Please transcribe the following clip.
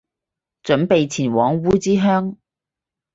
準備前往烏之鄉